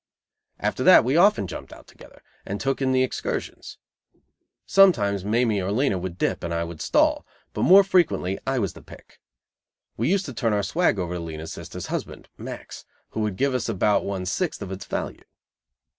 After that we often jumped out together, and took in the excursions. Sometimes Mamie or Lena would dip and I would stall, but more frequently I was the pick. We used to turn our swag over to Lena's sister's husband, Max, who would give us about one sixth of its value.